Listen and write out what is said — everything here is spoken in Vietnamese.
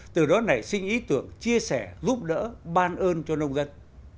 từ đó này xin ý tưởng chia sẻ giúp đỡ ban ơn cho nông dân